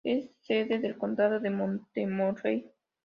Es sede del condado de Montmorency.